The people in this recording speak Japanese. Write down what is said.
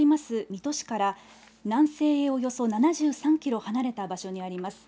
水戸市から南西へおよそ７３キロ離れた場所にあります。